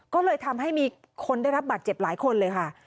ก็เลยทำให้มีคนได้รับบัตรเจ็บหลายคนเลยค่ะ